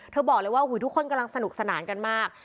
บอกเลยว่าทุกคนกำลังสนุกสนานกันมาก